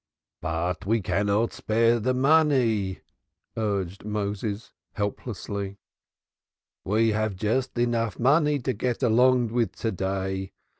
"But we cannot spare the money," urged Moses helplessly. "We have just enough money to get along with to day.